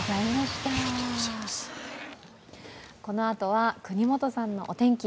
このあとは國本さんのお天気。